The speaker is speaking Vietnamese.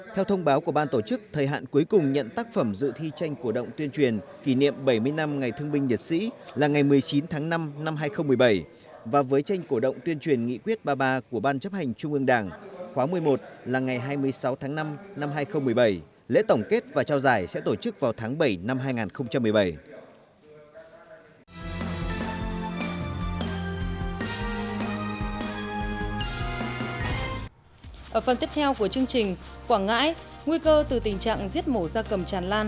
theo thông báo của ban tổ chức thời hạn cuối cùng nhận tác phẩm dự thi tranh cổ động tuyên truyền kỷ niệm bảy mươi năm ngày thương binh liệt sĩ là ngày một mươi chín tháng năm năm hai nghìn một mươi bảy và với tranh cổ động tuyên truyền nghị quyết ba mươi ba của ban chấp hành trung ương đảng khóa một mươi một là ngày hai mươi sáu tháng năm năm hai nghìn một mươi bảy lễ tổng kết và trao giải sẽ tổ chức vào tháng bảy năm hai nghìn một mươi bảy